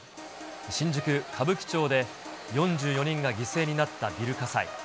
新宿・歌舞伎町で４４人が犠牲になったビル火災。